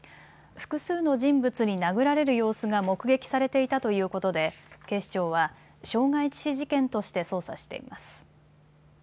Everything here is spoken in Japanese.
複数の人物に殴られる様子が目撃されていたということで警視庁は傷害致死事件として捜査しています。